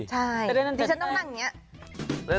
ใช่ดิฉันต้องนั่งอย่างนี้